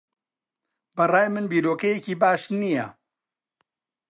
بە ڕای من بیرۆکەیەکی باش نییە.